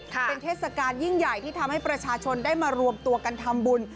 เป็นเทศกาลยิ่งใหญ่ที่ทำให้ประชาชนได้มารวมตัวกันทำบุญ